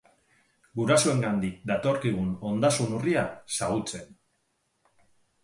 Gurasoengandik datorkigun ondasun urria xahutzen.